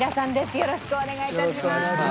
よろしくお願いします。